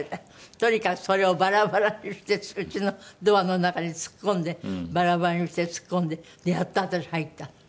とにかくそれをバラバラにしてうちのドアの中に突っ込んでバラバラにして突っ込んでやっと私入ったの。